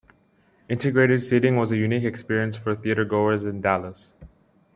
Integrated seating was a unique experience for theatergoers in Dallas.